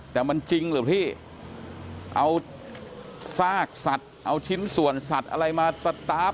แต่มันจริงเหรอพี่เอาซากสัตว์เอาชิ้นส่วนสัตว์อะไรมาสตาร์ฟ